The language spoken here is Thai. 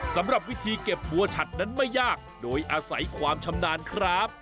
สำหรับวิธีเก็บบัวฉัดนั้นไม่ยากโดยอาศัยความชำนาญครับ